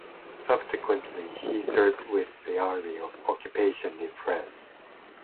Subsequently he served with the army of occupation in France.